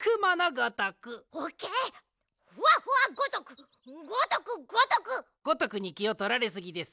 ごとくにきをとられすぎです。